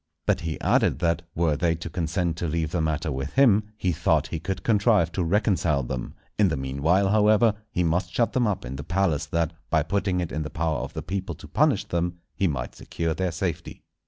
But he added that, were they to consent to leave the matter with him, he thought he could contrive to reconcile them; in the meanwhile, however, he must shut them up in the palace, that, by putting it in the power of the people to punish them, he might secure their safety.